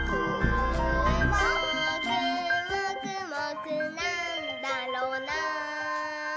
「もーくもくもくなんだろなぁ」